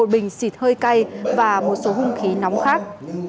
một bình xịt hơi cay và một số hung khí nóng khác